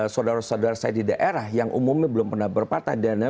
saudara saudara saya di daerah yang umumnya belum pernah berada di daerah